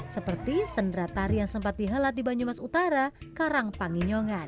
seperti sendera tari yang sempat dihelat di banyumas utara karangpangiyongan